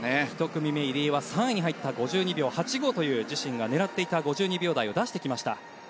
１組目入江は３位に入って５２秒８５という自身が狙っていた５２秒台を出してきました。